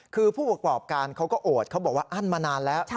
คือผู้ประกอบการเขาก็โอดเขาบอกว่าอั้นมานานแล้ว